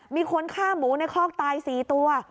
มีคนฆ่าหมูในคอกตาย๔ตัว